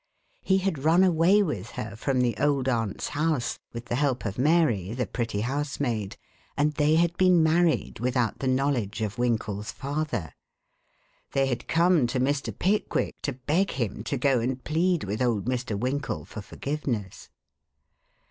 He had run away with her from the old aunt's house, with the help of Mary, the pretty housemaid, and they had been married without the knowledge of Winkle's father. They had come to Mr. Pickwick to beg him to go and plead with old Mr. Winkle for forgiveness.